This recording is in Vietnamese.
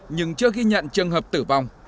nhưng chưa ghi nhận trường hợp tử vong